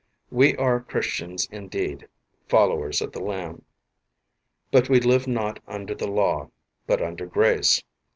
We are Christians .indeed, followers of the Lamb, but we live not under the law, but under grace.